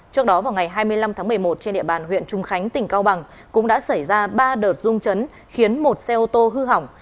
trước đó vào ngày hai mươi năm tháng một mươi một trên địa bàn huyện trung khánh tỉnh cao bằng cũng đã xảy ra ba đợt rung chấn khiến một xe ô tô hư hỏng